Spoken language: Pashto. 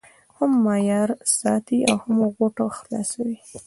هم معیار ساتي او هم غوټه خلاصوي.